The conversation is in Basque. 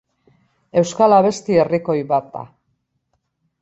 Euskal abesti herrikoi bat da.